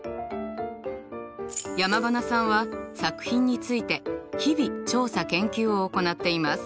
山塙さんは作品について日々調査研究を行っています。